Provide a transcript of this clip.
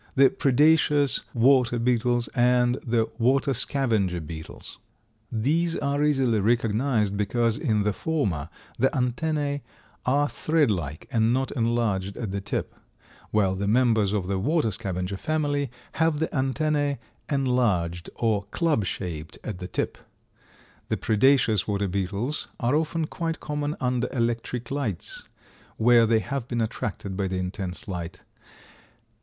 The Predaceous water beetles and the Water scavenger beetles. These are easily recognized, because in the former, the antennæ are thread like and not enlarged at the tip. While the members of the Water scavenger family have the antennæ enlarged or club shaped at the tip. The Predaceous water beetles are often quite common under electric lights, where they have been attracted by the intense light.